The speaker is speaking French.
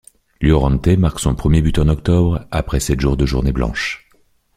Llorente marque son premier but en octobre, après sept journées blanches.